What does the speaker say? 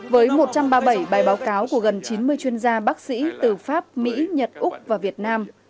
với một trăm ba mươi bảy bài báo cáo của gần chín mươi chuyên gia bác sĩ từ pháp mỹ nhật úc và việt nam